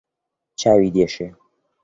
چاوی دێشێ